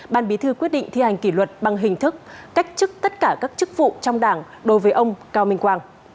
ban bí thư quyết định thi hành kỷ luật bằng hình thức cách chức tất cả các chức vụ trong đảng đối với ông cao minh quang